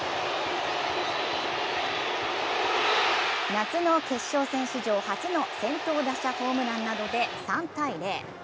夏の決戦史上初の先頭打者ホームランなどで３−０。